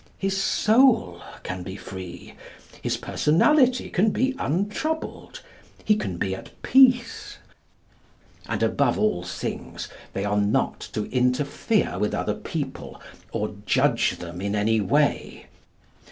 His soul can be free. His personality can be untroubled. He can be at peace. And, above all things, they are not to interfere with other people or judge them in any way.